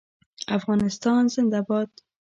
افغانستان زنده باد.